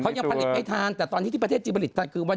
เขายังผลิตไม่ทันแต่ตอนนี้ที่ประเทศจีนผลิตทันคือวัน